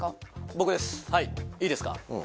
僕ですはいいいですか？